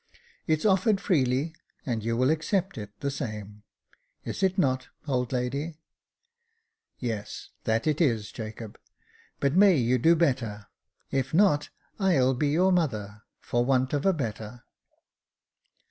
It's offered freely, and you will accept it the same. Is it not, old lady ?"" Yes, that it is, Jacob ; but may you do better — if not, I'll be your mother for want of a better."